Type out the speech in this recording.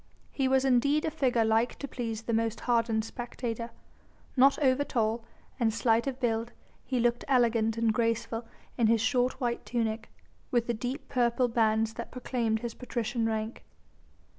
He was indeed a figure like to please the most hardened spectator. Not over tall, and slight of build, he looked elegant and graceful in his short white tunic, with the deep purple bands that proclaimed his patrician rank.